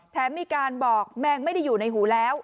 แถมมีการบอกแมงไม่ได้อยู่ในหูแล้ว